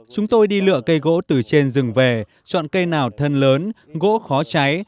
chúng tôi đi lựa cây gỗ từ trên rừng về chọn cây nào thân lớn gỗ khó cháy